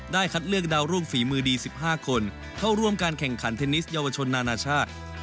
คัดเลือกดาวรุ่งฝีมือดี๑๕คนเข้าร่วมการแข่งขันเทนนิสเยาวชนนานาชาติ